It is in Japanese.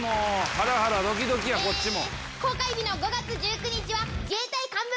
ハラハラドキドキやこっちも。